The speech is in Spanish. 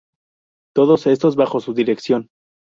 Todos estos bajo su dirección.